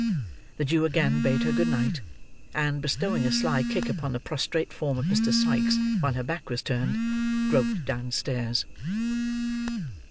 The Jew again bade her good night, and, bestowing a sly kick upon the prostrate form of Mr. Sikes while her back was turned, groped downstairs.